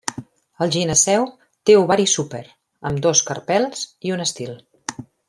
El gineceu té ovari súper, amb dos carpels i un estil.